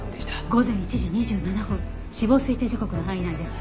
午前１時２７分死亡推定時刻の範囲内です。